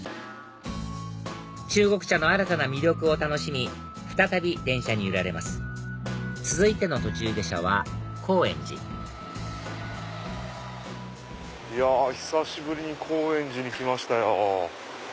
中国茶の新たな魅力を楽しみ再び電車に揺られます続いての途中下車は高円寺久しぶりに高円寺に来ましたよ。